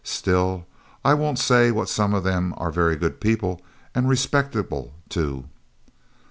Still I won't say but what some of them are very good people and respectable, too."